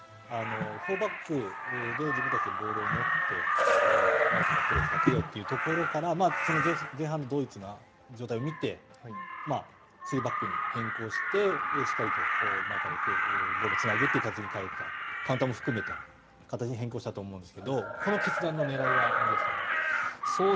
４バックで自分たちでボールを持って前からプレスをかけようというところから前半でドイツの状態を見て３バックに変更してしっかりと前から行くボールをつなぐという形に変えた、形に変更したと思うんですけれども、この決断のねらいは森保監督。